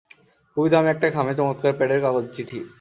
খুবই দামী একটা খামে চমৎকার প্যাডের কাগজে চিঠি।